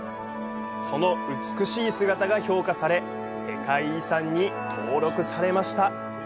その美しい姿が評価され世界遺産に登録されました。